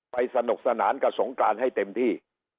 สนุกสนานกับสงการให้เต็มที่